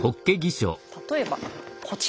例えばこちら。